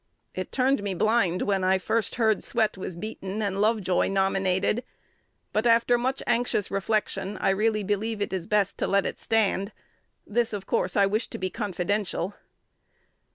It turned me blind when I first heard Swett was beaten and Lovejoy nominated; but, after much anxious reflection, I really believe it is best to let it stand. This, of course, I wish to be confidential.